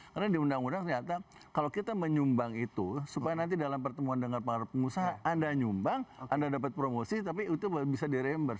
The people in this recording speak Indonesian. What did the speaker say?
karena di undang undang ternyata kalau kita menyumbang itu supaya nanti dalam pertemuan dengan para pengusaha anda nyumbang anda dapat promosi tapi itu bisa dirember